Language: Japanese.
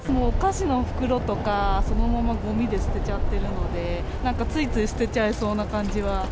お菓子の袋とか、そのままごみで捨てちゃってるので、なんかついつい捨てちゃいそうな感じは。